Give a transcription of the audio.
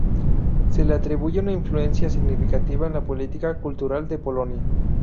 Se le atribuye una influencia significativa en la política cultural de Polonia.